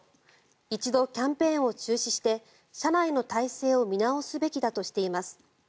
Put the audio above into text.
一度キャンペーンを中止して社内の体制を見直すべきだとしています。